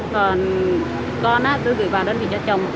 còn con tôi gửi vào đơn vị cho chồng